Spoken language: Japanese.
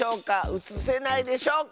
うつせないでしょうか？